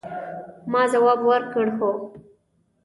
ما ځواب ورکړ، هو.